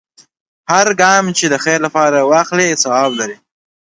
هر ګام چې د خیر لپاره واخلې، ثواب لري.